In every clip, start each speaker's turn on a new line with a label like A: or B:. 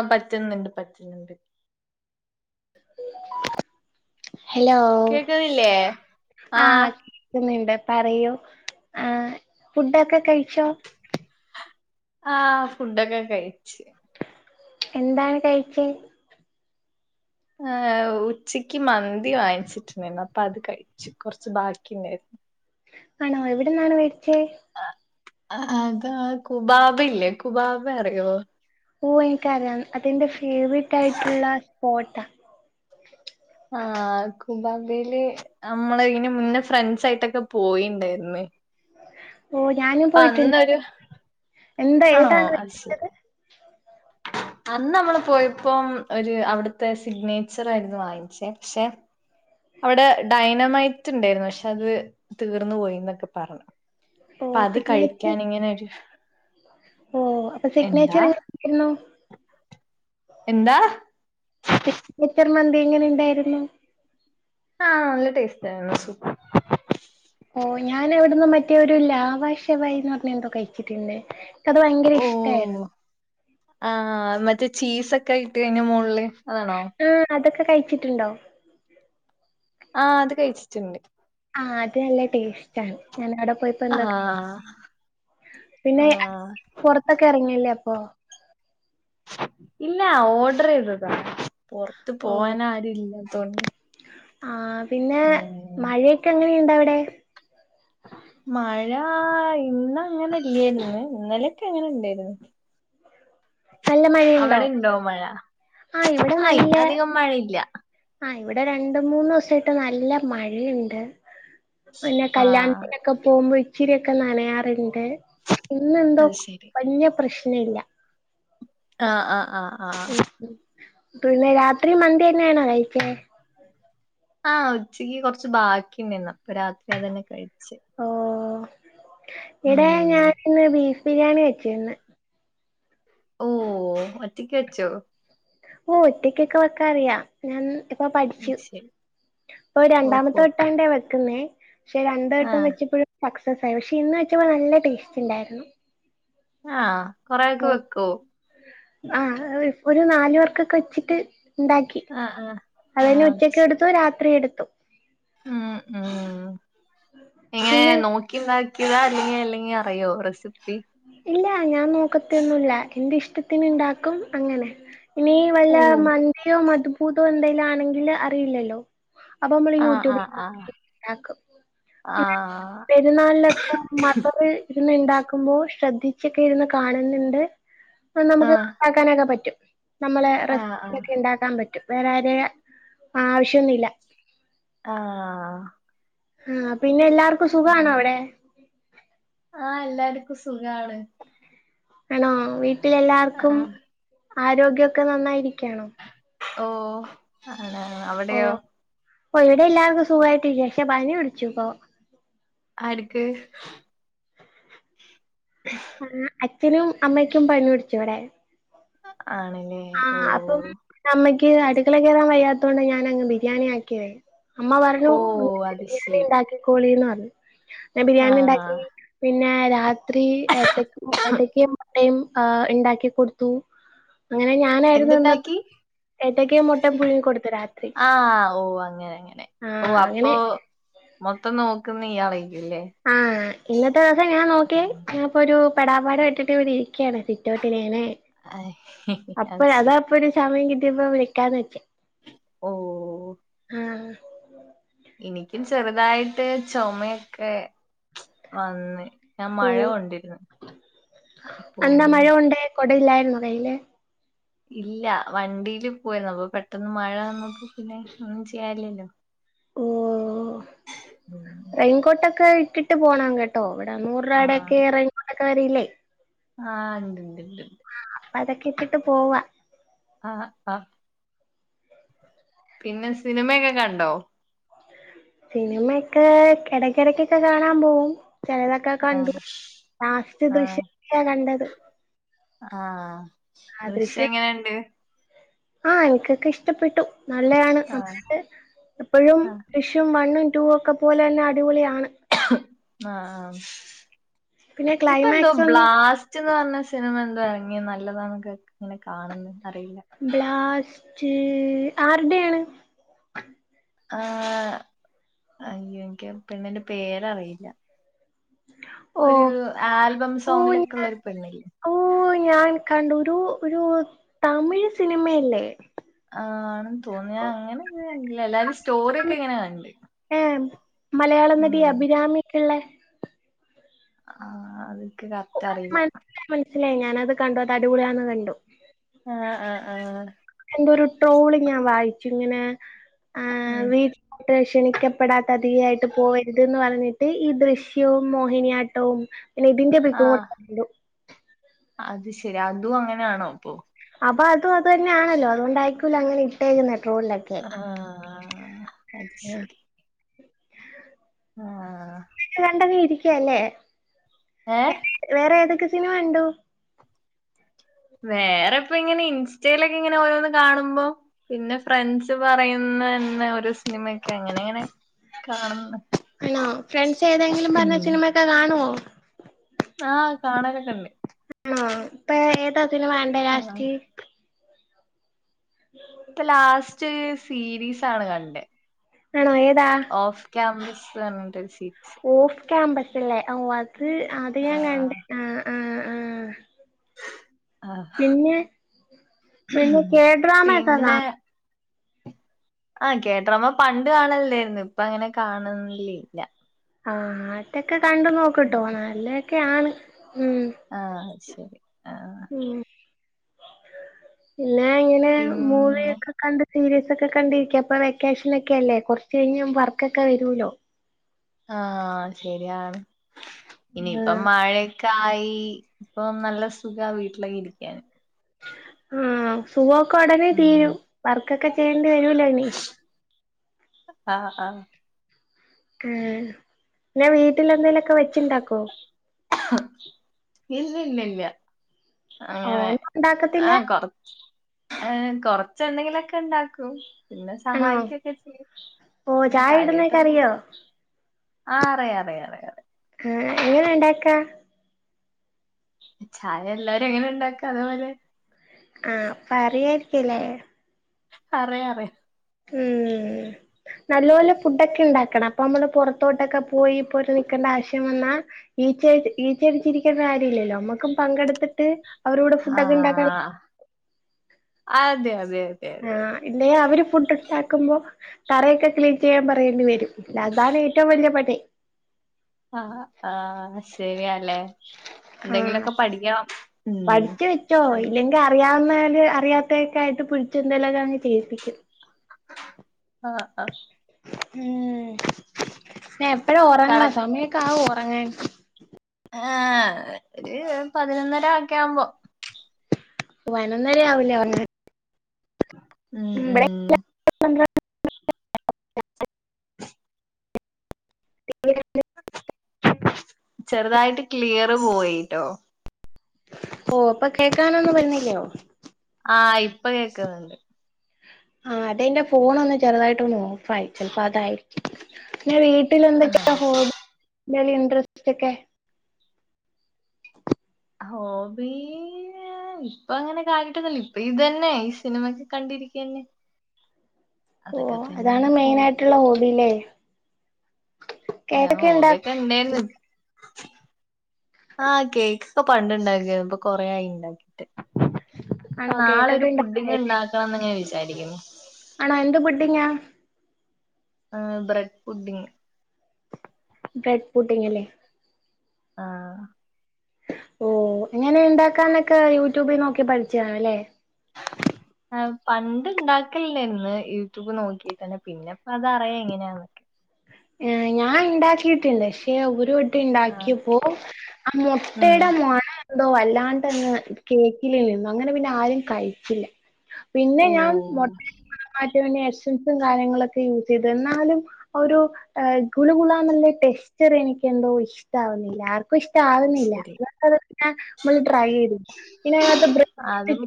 A: ആ പറ്റുന്നുണ്ട് പറ്റുന്നുണ്ട്
B: ഹലോ
A: കേക്കുന്നില്ലേ
B: ആഹ് കേൾക്കുന്നുണ്ട് പറയൂ ആഹ് ഫുഡൊക്കെ കഴിച്ചോ
A: ആഹ് ഫുഡൊക്കെ കഴിച്ചു
B: എന്താണ് കഴിച്ചെ
A: ഉച്ചക്ക് മന്തി വാങ്ങിച്ചിട്ടുണ്ടായിരുന്നു അപ്പ അത് കഴിച്ചു കൊറച്ച് ബാക്കി ഉണ്ടായിരുന്നു
B: ആണോ എവിടെ നിന്നാണ് മേടിച്ചത്
A: അതാ കുബാബ് ഇല്ലേ കുബാബ് അറിയോ
B: ഓ എനിക്കറിയാം അതെന്റെ ഫേവറേറ്റ് ആയിട്ടുള്ള സ്പോട്ടാ
A: ആഹ് കുബാബയില് നമ്മള്. ഇങ്ങനെ മുന്നേ ഫ്രണ്ട്സായിട്ടൊക്കെ പോയീണ്ടായിരുന്നു
B: ഓ ഞാനും പോയിട്ടുണ്ട് അവിടെ
A: അന്നൊരു
B: എന്താ
A: ആണോ
B: ഏതാണ് കഴിച്ചത്
A: അന്ന് നമ്മള് പോയപ്പോം ഒരു അവിടുത്തെ സിഗ്നേച്ചർ ആയിരുന്നു വാങ്ങിച്ചേ പക്ഷെ അവിടെ ഡൈനമൈറ്റ് ഉണ്ടായിരുന്നു പക്ഷെ അത് തീർന്നു പോയിന്നൊക്കെ പറഞ്ഞു
B: ഓ
A: അപ്പ അത്
B: സിഗ്നേച്ചർ
A: കഴിക്കൻ ഇങ്ങനെരു
B: ഓ അപ്പൊ സിഗ്നേച്ചർ എങ്ങനെ [inaudible] ന്നോ
A: എന്താ
B: സിഗ്നേച്ചർ മന്തി എങ്ങനെ ഉണ്ടായിരുന്നു
A: ആഹ് നല്ല ടേസ്റ്റ് ആയിരുന്നു സൂപ്പർ
B: ഓ ഞാൻ അവിട്ന്ന് മറ്റേ ഒരു ലാവ ശവായിന്ന് പറഞ്ഞ എന്തോ കഴിച്ചിട്ടുണ്ട് അത് ഭയങ്കര ഇഷ്ടമായിരുന്നു
A: ഓഹ് ആഹ് മറ്റേ ചീസൊക്കെ ഇട്ട് കഴിഞ്ഞ മുകളിൽ അതാണോ
B: ആ അതൊക്കെ കഴിച്ചിട്ടുണ്ടോ
A: ആഹ് അത് കഴിച്ചിട്ടുണ്ട്
B: ആഹ് അത് നല്ല ടേസ്റ്റ് ആണ് ഞാന് അവിടെ പോയി ഇപ്പ എന്തേ
A: ആഹ്
B: [inaudible] പിന്നെ
A: ആഹ്
B: പുറത്തൊക്കെ ഇറങ്ങില്ലേ അപ്പൊ
A: ഇല്ല ഓർഡർ ചെയ്തതാ പൊറത്ത് പോകാന ആരും ഇല്ലാത്തോണ്ട്
B: ആ പിന്നെ
A: ഉം
B: മഴയൊക്കെ എങ്ങനെയുണ്ട് അവിടെ
A: മഴ ഇന്ന് അങ്ങനെ ഇല്ലായിരുന്നു ഇന്നലൊക്കെ അങ്ങനെ ഇണ്ടായിരുന്നു
B: നല്ല മഴയുണ്ടോ
A: അവിടെ ഇണ്ടോ മഴ
B: ആഹ് ഇവിടെ
A: ആ
B: നല്ല
A: ഇന്ന് അധികം മഴയില്ല
B: ആഹ് ഇവിടെ രണ്ടു മൂന്ന് ദിവസമായിട്ട് നല്ല മഴയുണ്ട് പിന്നെ
A: ആഹ്
B: കല്യാണത്തിനൊക്കെ പോകുമ്പോ ഇച്ചിരിയൊക്കെ നനയാറുണ്ട് ഇന്നെന്തോ
A: അത് ശരി
B: വലിയ പ്രശ്നം ഇല്ല
A: ആഹ് ആഹ് ആഹ് ആഹ്
B: ഉം പിന്നെ രാത്രിയും മന്തി തന്നെ ആണോ കഴിച്ചെ
A: ആഹ് ഉച്ചക്കി കൊറച്ച് ബാക്കിണ്ടെയ്ന് അപ്പൊ രാത്രി അതന്നെ കഴിച്ച്
B: ഓഹ് ഇവടെ
A: ഉം
B: ഞാനിന്ന് ബീഫ് ബിരിയാണി വെച്ചിര്ന്ന്
A: ഓഹ് ഒറ്റക്ക് വെച്ചോ?
B: ഓഹ് ഒറ്റക്കൊക്കെ വെക്കാൻ അറിയാ ഞാൻ ഇപ്പൊ
A: അത്
B: പഠിച്ചു.
A: ശരി
B: ഇപ്പൊ രണ്ടാമത്തെ
A: ഓഹോ
B: വട്ടാണ്ടെ വെക്കുന്നേ പക്ഷെ രണ്ടു
A: ആ
B: വട്ടം വെച്ചപ്പോഴും സക്സസ് ആയി. പക്ഷെ ഇന്ന് വെച്ചപ്പോ നല്ല ടേസ്റ്റുണ്ടായിര്ന്നു.
A: ആഹ് കൊറേ ഒക്കെ വെക്കും
B: ആഹ് ഇപ്പൊരു നാലു പേർക്കൊക്കെ വെച്ചിട്ട് ഇണ്ടാക്കി
A: ആ ആ
B: അത്
A: ആ
B: തന്നെ
A: ശരി
B: ഉച്ചക്കെടുത്തു രാത്രിയെടുത്തു.
A: ഉം ഉം എങ്ങനെ
B: പിന്നെ
A: നോക്കി നോക്കി ഇണ്ടാക്കിയതാ അല്ലെങ്കി അല്ലെങ്കി അറിയോ റെസിപ്പി?
B: ഇല്ലാ ഞാൻ നോക്കത്തെയൊന്നുല്ല എന്റെ ഇഷ്ട്ടത്തിന് ഇണ്ടാക്കും അങ്ങനെ. ഇനി വല്ല
A: ഓ
B: മന്തിയോ, മത്‌ബൂത്തോ എന്തെങ്കിലാണെങ്കില് അറിയില്ലല്ലോ അപ്പൊ നമ്മള്
A: ആ ആ
B: യൂട്യൂബിൽ
A: ആ
B: നോക്കി ഇണ്ടാക്കും.
A: ആ
B: പിന്നെ പെ പെരുന്നാൾനൊക്കെ മദറ് ഇര്ന്ന് ഇണ്ടാക്കുമ്പോ ശ്രദ്ധിച്ചൊക്കെ ഇരുന്ന് കാണുന്നുണ്ട്. അപ്പൊ
A: ആ
B: നമുക്ക് ഇണ്ടാക്കാനൊക്കെ പറ്റും. നമ്മളെ
A: ആ
B: റെസിപ്പിയിലൊക്കെ
A: ആ
B: ഇണ്ടാക്കാൻ പറ്റും. വേറെ ആരെയും ആവിശ്യൊന്നുല്ല.
A: ആഹ്
B: ആഹ് പിന്നെ എല്ലാർക്കും സുഖാണോ അവ്ടെ?
A: ആഹ് എല്ലാർക്കും സുഖാണ്.
B: ആണോ?
A: ആ
B: വീട്ടിലെല്ലാവർക്കും ആരോഗ്യം ഒക്കെ നന്നായിരിക്കാണോ?
A: ഓഹ് ആണ് ആണ് അവിടെയോ?
B: ഓഹ് ഓഹ് ഇവിടെ എല്ലാവർക്കും സുഖായിട്ടിരിക്ക പക്ഷേ പനി പിടിച്ചു ഇപ്പോ
A: ആര്ക്ക്?
B: ആഹ് അച്ഛനും അമ്മക്കും പനി പിടിച്ചു ഇവടെ.
A: ആണ്ല്ലേ?
B: ആഹ് അപ്പം എന്റെ അമ്മക്ക് അടുക്കള കേറാൻ വയ്യാത്തോണ്ട ഞാനങ്ങ് ബിരിയാണി ആക്കിയതെ. അമ്മ പറഞ്ഞു
A: ഓ അത്
B: ഞാന്
A: ശരി
B: ഇണ്ടാക്കി കോളീന്ന് പറഞ്ഞു ഞാ ബിരിയാണി ഇണ്ടാക്കി
A: ആഹ്
B: പിന്നെ രാത്രി- ത്രി ഏത്ത ഏത്തക്കെയും മുട്ടയും ഇണ്ടാക്കി കൊടുത്തു. അങ്ങനെ ഞാനായിരുന്നു ഇന്നത്തെ
A: എന്തുണ്ടാക്കി
B: ഏത്തക്കേം മുട്ടയും പുഴുങ്ങി കൊടുത്തു രാത്രി.
A: ആഹ് ഓ അങ്ങനെ അങ്ങനെ ഓ
B: ആഹ് അങ്ങനെ
A: അപ്പൊ മൊത്തം നോക്കുന്നെ ഇയാളേക്കുല്ലേ?
B: ആഹ് ഇന്നത്തെ ദിവസം ഞാൻ നോക്കി ഞാ ഇപ്പൊരു പെടാപാട് പെട്ടിട്ട് ഇവിടിരിക്കാണ് സിറ്റൗട്ടില്ങ്ങനെ
A: അയ് അഹ് ശരി
B: ഇപ്പൊരു സമയം കിട്ടിയപ്പോ വിളിക്കാന്ന് വെച്ച്.
A: ഓഹോ
B: ആഹ്
A: ഇനിക്കും ചെറുതായിട്ട് ചൊമയൊക്കെ വന്ന്. ഞാൻ മഴ
B: ഉം
A: കൊണ്ടിര്ന്ന്. അപ്പം
B: അന്നാ മഴ കൊണ്ടേ കൊടയില്ലായിരുന്നോ കയ്യില്?
A: ഇല്ല വണ്ടിയില് പോവായിര്ന്നു അപ്പൊ പെട്ടെന്ന് മഴ വന്നപ്പോ പിന്നെ ഒന്നും ചെയ്യാനില്ലല്ലോ?
B: റെയിൻ കോട്ടൊക്കെ ഇട്ടിട്ടി പോണം കേട്ടോ? ഇവിടെ നൂറ്
A: ആഹ്
B: രൂപായിടൊക്കെ റെയിൻ കോട്ടക്കെ വരില്ലേ
A: ആഹ് ഇണ്ട്ണ്ട്ണ്ട്ണ്ട്.
B: അതൊക്ക് ഇട്ടിട്ട് പോവാ.
A: ആഹ് ആഹ് പിന്നെ സിനിമയൊക്കെ കണ്ടോ?
B: സിനിമയൊക്കെ എടക്കെടക്ക് ഒക്കെ കാണാൻ പോകും ചെലതൊക്കെ ഒക്കെ കണ്ടു
A: ആഹ്
B: ലാസ്റ്റ്
A: ആഹ്
B: ദൃശ്യം ത്രീയാ കണ്ടത്.
A: ആഹ് ദൃശ്യം എങ്ങനെണ്ട്
B: ആഹ് എനിക്കൊക്കെ ഇഷ്ടപ്പെട്ടു നല്ലതാണ്
A: ആഹ്
B: [unintelligible] എപ്പഴും
A: ആഹ്
B: ദൃശ് റ്റും വണ്ണും ടു ഒക്കെ പോലെന്നെ അടിപൊളിയാണ്.
A: ആഹ് ആഹ്
B: പിന്നെ
A: ഇപ്പൊ എന്തോ
B: ക്ലൈമാക്സ് ഒന്ന്
A: ബ്ലാസ് റ്റ്ന്ന് പർഞ്ഞ സിനിമ എന്തോ എർങ്ങി നല്ലതാന്നൊക്കെ ഇങ്ങനെ കാണ്ന്ന് അറിയില്ല.
B: ബ്ലാസ്റ്റ് ആര്ടെയാണ്
A: ആഹ് അയ്യോ എനിക്ക് ആ പെണ്ണിന്റെ പേരറിയില്ല ഒരു
B: ഓഹ്
A: ആൽബം സോങ്ങിലൊക്കെ ഉള്ള
B: ഞാൻ
A: ഒരു പെണ്ണില്ലേ
B: ഓഹ് ഞാൻ കണ്ടു ഒരു ഒരു തമിഴ് സിനിമയല്ലേ?
A: ആഹ് ആണെന്ന് തോന്ന് ഞാൻ അങ്ങനെങ്ങന [unintelligible] എല്ലാരും സ്റ്റോറിയൊക്കെ ഇങ്ങനെ കണ്ട്.
B: ഏഹ് മലയാളം നടി
A: ഉം
B: അഭിരാമിക്കള്ള
A: ആഹ് ൻക്ക് കറക്റ്റ് അറീല്ല
B: മൻസ്സിലായി ഞാനത് കണ്ടു അത് അടിപൊളിയാന്ന് കണ്ടു
A: ആഹ് ആഹ് ആഹ്
B: എന്തോ ഒരു ട്രോള് ഞാ വായിച്ചു ഇങ്ങനെ ആ
A: ഉം
B: വീ ട്ട് ക്ഷണിക്കപ്പെടാത്തതിയായിട്ട് പോവര്ത്ന്ന് പർഞ്ഞിട്ട് ഈ ദൃശ്യവും മോഹിനിയാട്ടവും പിന്നെ ഇതിന്റെ പിക്കും കൂടെ
A: ആഹ്
B: കണ്ടു
A: അത് ശെരി അതും അങ്ങനാണോ അപ്പൊ
B: അപ്പ അതും അതുതന്നെയാണല്ലോ അതുകൊണ്ടായിരിക്കൂലോ അങ്ങനെ ഇട്ടേക്കുന്ന ട്രോൾലൊക്കെ
A: ആഹ് അത്
B: ആ,
A: ശരി ആഹ്
B: കണ്ടങ്ങ് ഇരിക്കാല്ലേ
A: ഏഹ്
B: വേറെ ഏതൊക്കെ സിനിമ കണ്ടു
A: വേറെ പ്പങ്ങനെ ഇൻസ്റ്റയിലക്കെ ഇങ്ങനെ ഓരോന്ന് കാണുമ്പൊ പിന്നെ ഫ്രണ്ട്സ് പറയുന്നര്ന്ന ഓരോ സിനിമയൊക്കെ അങ്ങനെ അങ്ങനെ കാണ്ന്നു.
B: ആണോ ഫ്രണ്ട്സ് ഏതെങ്കിലും പറഞ്ഞ സിനിമയൊക്കെ കാണോ?
A: ആഹ് കാണാലൊക്കെണ്ട്
B: ആണോ ഇപ്പ ഏ ഏതാ സിനിമ കണ്ടേ
A: ആഹ്
B: ലാസ്റ്റ്
A: ഇപ്പ ലാസ്റ്റ് സീരീസാണ് കണ്ടേ
B: ആണോ ഏതാ?
A: ഓഫ് ക്യാമ്പസ്‌ ന്നർഞ്ഞ്‌ട്ടൊരു സീരിസ്
B: ഓഫ് ക്യാമ്പസല്ലേ ഓ അത് അത് ഞാൻ കണ്ട്
A: ആഹ്
B: ആഹ് ആഹ് ആഹ്
A: ആഹ്
B: പിന്നെ പിന്നെ കേട്രാമക്കെ കാ
A: പിന്നെ ആഹ് കേഡ്രാമ പണ്ട് കാണല്ലേര്ന്ന് ഇപ്പ അങ്ങനെ കാണ്ല്ലില്ല
B: ആഹ് അതൊക്കെ കണ്ടു നോക്ക്ട്ടോ നല്ലൊക്കെ ആണ് ഉം
A: ആഹ് ശരി ആഹ്
B: ഉം പിന്നെ എങ്ങനെ
A: പിന്നെ
B: മൂവിയൊക്കെ കണ്ട് സീരിസ് ഒക്കെ കണ്ടിരിക്ക ഇപ്പൊ വെക്കേഷൻ ഒക്കെ അല്ലേ കൊർച്ച് കഴിഞ്ഞ് വർക്കൊക്കെ വരൂല്ലോ
A: ആഹ് ശരിയാണ് ഇനിയിപ്പം
B: ആ
A: മഴ ക്കായി ഇപ്പം നല്ല സുഖ വീട്ട്ലൊക്കെ ഇരിക്കാന്
B: ഉം സുഖൊക്കെ ഒടനെ
A: ഉം
B: തീരും. വർക്കൊക്കെ ചെയ്യേണ്ടി വരുവല്ലോ ഇനി.
A: ആഹ് ആഹ്
B: ഏഹ് പിന്നെ വീട്ടിലെന്തേലൊക്കെ വെച്ച്ണ്ടാക്കോ?
A: ഇല്ലല്ലല്ല
B: ഓ
A: അങ്ങനെ
B: ഒന്നും
A: ആ
B: ഉണ്ടാക്കത്തില്ല
A: കൊറച്ച് ഏ കൊറച്ചെന്തെങ്കിലൊക്കെ ണ്ടാക്കും പിന്നെ
B: ആണോ
A: സഹായിക്കൊക്കെ ചെയ്യും
B: ഓ
A: ഞാൻ
B: ചായ ഇടുന്നൊക്കെ
A: കാര്യായ്ട്ടൊന്നും
B: അറിയോ
A: ആ അറിയ അറിയ അറിയ
B: ആ എങ്ങനെ ണ്ടാക്കാ
A: ചായ എല്ലാരും എങ്ങനെ ണ്ടാക്കാ അതേപോലെ
B: ആ അപ്പ അറിയായിരിക്കുല്ലേ
A: അറിയാം അറിയ [inaudible]
B: നല്ലോലം ഫുഡൊക്കെ ണ്ടാക്കണം അപ്പൊ നമ്മള് പുറത്തോട്ടൊക്കെ പോയി ഇപ്പോ ഒരു നിൽക്കണ്ട ആവശ്യം വന്നാ ഈച്ച ഈച്ചടിച്ചിരിക്കേണ്ട കാര്യമില്ലല്ലോ നമ്മക്കും പങ്കെടുത്തിട്ട് അവരോട് ഫുഡ് ഒക്കെ ഉണ്ടാക്കാൻ
A: ആഹ് അതെ വേം
B: ആ ഇല്ലേ അവര് ഫുഡ് ട്ടാക്കുമ്പോ തറയൊക്കെ ക്ലീൻ ചെയ്യാൻ പറയേണ്ടി വരും അതാണ് ഏറ്റവും വലിയ പണി
A: ആ ആ ശരിയാല്ലേ
B: ആഹ്
A: എന്തെങ്കിലൊക്കെ പഠിയ് ക്കണം ഉം
B: അറിയാവുന്നവര് അറിയാത്ത ഒക്കെ ആയിട്ട് പിടിച്ച് എന്തേലൊക്കെ അങ്ങ് ചെയ്യിപ്പിക്കും
A: ആഹ് ആഹ്
B: ഉം എപ്പഴാ
A: കട
B: ഉറങ്ങാ സമയൊക്കെ ആവോ ഉറങ്ങാൻ
A: ആ ഒരു പതിനൊന്നര ഒക്കേ ആവുമ്പോ
B: പതിനൊന്നരയാവൂലേ ഒർങ്ങാൻ
A: ഉം ഉം
B: [unintelligible] [unintelligible]
A: ചെറുതായിട്ട് ക്ലിയറ് പോയി ല്ലോ
B: ഓ അപ്പൊ കേക്കാനൊന്നും വരുന്നില്ലയോ
A: ആ ഇപ്പൊ കേക്കുന്നു
B: ആ അതെന്റെ ഫോൺ ഒന്ന് ചെറുതായിട്ട് ഒന്ന് ഓഫ് ആയി ചെലപ്പോ അതായിരിക്കും നിന്റെവീട്ടിൽ എന്തെക്കെ
A: ആഹ്
B: ഹോബി ഇനി ഇൻഡ്രസ്റ്റൊക്കെ [inaudible]
A: ഹോബീ നെ [unintelligible] ഇപ്പൊ അങ്ങനെ കാര്യയ്ട്ടൊന്നുല്ല ഇപ്പൊ ഇതന്നെ ഈ സിനിമൊക്കെ കണ്ടിരിക്കന്നേ
B: ഓ അതാണ്
A: ഒരു ഹോബി
B: മെയ്നായ്ട്ടുള്ള ഹോബില്ലേ
A: ആ
B: കേക്കൊക്കെ ഉണ്ടാക്ക
A: ഹോബിക്കെ ണ്ടേര്ന്ന് ആ കേക്കൊക്കെ പണ്ട് ണ്ടാക്കീന്നു ഇപ്പൊ കൊറേ ആയി ണ്ടാക്കീട്ട്
B: ആണോ
A: പ്പം നാളെരു
B: കേക്കൊക്കെ
A: പുഡിങ്
B: ഉണ്ടാക്ക
A: ണ്ടാക്കണംന്ന് ങ്ങനെ വിചാരിയ്ക്കുന്നു
B: ആണാ എന്ത് പുഢിങ്ങാ
A: ആ ബ്രഡ് പുഡിങ്ങ്
B: ബ്രെഡ് പുഡിങ് അല്ലേ
A: ആഹ്
B: ഓ എങ്ങനെ ണ്ടാക്കാന്നൊക്കെ യൂറ്റൂബിൽ നോക്കി പഠിച്ചാണും ല്ലേ
A: ആ പണ്ട് ണ്ടാക്കല്ണ്ടേര്ന്ന്‌ യൂറ്റൂബ് നോക്കീട്ടന്നെ പിന്നെപ്പ അത് അറിയാ എങ്ങനെയാന്ന്
B: ഏ ഞാൻ ണ്ടാക്കീട്ട്ണ്ട് പിന്നെ ഒരു വട്ടം
A: ആഹ്
B: ഉണ്ടാക്കിയപ്പോ ആ
A: ഉം
B: മുട്ടയുടെ മണം ന്തോ വല്ലാണ്ടങ്ങ് കേക്കിലേൽ നിന്നു അങ്ങനെ പിന്നെ ആരും കഴിച്ചില്ല പിന്നെ ഞാൻ
A: ഓഹ്
B: മൊട്ട് മാറ്റേ എസൻസും കാര്യങ്ങളൊക്കെ യൂസ് ചെയ്ത് എന്നാലും ഒരു എഹ് ഗുള് ഗുളാന്നുള്ള ടെസ്റ്ററ് എനിക്ക് എന്തോ ഇഷ്ടാവുന്നില്ലാ ഇപ്പൊ ഇഷ്ടം ആവുന്നില്ല
A: ശരി
B: [unintelligible] മ്മള് ട്രൈ ചെയ്തു പിന്നെ അതിനകത്ത് ബ്രഡ്
A: അതും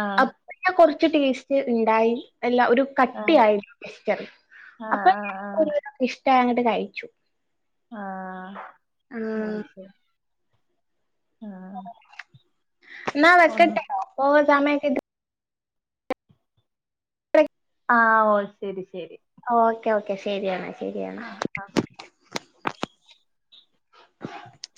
A: ആഹ്
B: അപ്പൊ ഞാൻ കൊറച്ച് ടേസ്റ്റ് ഉണ്ടായി എല്ലാം ഒരു
A: ആഹ്
B: കട്ടിയായി ടെസ്റ്റർ
A: ആഹ്
B: അപ്പൊ
A: ആഹ് ആഹ്
B: കുഞ്ഞിനും ഇഷ്ടായി അങ്ങട്ട് കഴിച്ചു
A: ആഹ്
B: ആ
A: അത് ശരി ആഹ്
B: ന്നാ
A: ഒന്ന്
B: വെക്കട്ടട്ടോ ഓവർ സമയക്കായിട്ട് [unintelligible]
A: ആഹ് ഒഹ് ശെരി ശെരി
B: ഓക്കെ ഓക്കെ ശരിയാണ് ശരിയാണ്
A: ആഹ് ആഹ്
B: [inaudible]